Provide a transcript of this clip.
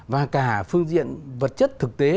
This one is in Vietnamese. và cả phương diện vật chất thực tế